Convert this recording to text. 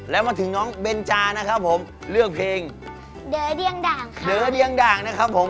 แล้วมาถึงน้องเบนจานะครับผมเลือกเพลงเดอร์เดียงด่างนะครับผม